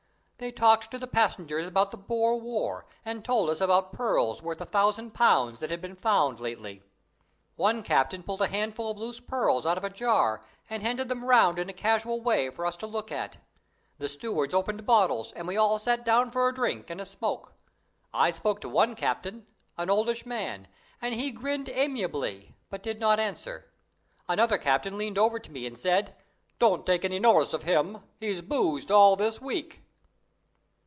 They talked to the passengers about the Boer War, and told us about pearls worth 1000 pounds that had been found lately. "One captain pulled a handful of loose pearls out of a jar and handed them round in a casual way for us to look at. The stewards opened bottles and we all sat down for a drink and a smoke. I spoke to one captain an oldish man and he grinned amiably, but did not answer. Another captain leaned over to me and said, 'Don't take any notice of him, he's boozed all this week.'